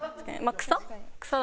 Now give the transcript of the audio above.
草？